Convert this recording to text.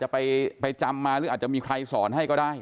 จะไปจำมาหรืออาจจะมีใครสอนให้ก็ได้